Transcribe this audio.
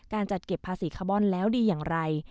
การจัดเก็บภาษีคาร์บอนแล้วดีอย่างไร